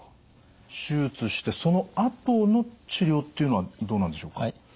手術してそのあとの治療っていうのはどうなんでしょうか？